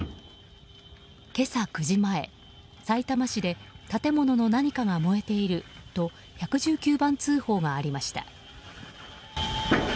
今朝９時前、さいたま市で建物の何かが燃えていると１１９番通報がありました。